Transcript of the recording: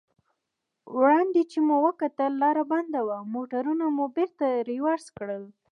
وړاندې چې مو وکتل لار بنده وه، موټرونه مو بېرته رېورس کړل.